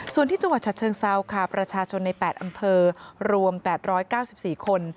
ส่วนที่จังหวัดฉัดเชิงเซาค่ะประชาชนใน๘อำเภอรวม๘๙๔คน